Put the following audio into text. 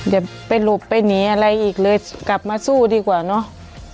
อย่าไปหลบไปหนีอะไรอีกเลยกลับมาสู้ดีกว่าเนอะ